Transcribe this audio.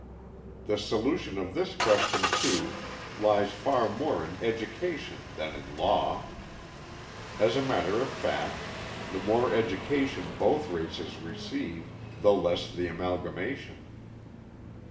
The solution of this question, too, lies far more in education than in law. As a matter of fact, the more education both races receive, the less the amalgamation.